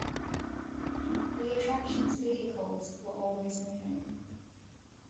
The attraction's vehicles were always moving.